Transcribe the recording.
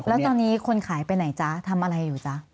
แล้วตอนนี้คนขายไปไหนจ๊ะทำอะไรอยู่จ๊ะ